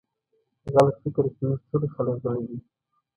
غل فکر کوي چې ټول خلک غله دي.